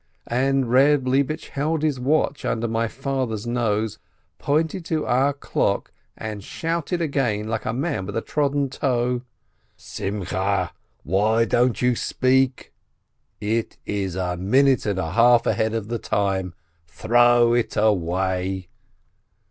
and Eeb Lebish held his watch under my father's nose, pointed at our clock, and shouted again, like a man with a trodden toe : "Sim cheh ! Why don't you speak ? It is a minute and a half ahead of the time ! Throw it away